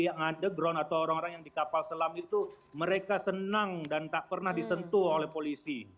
yang ada ground atau orang orang yang di kapal selam itu mereka senang dan tak pernah disentuh oleh polisi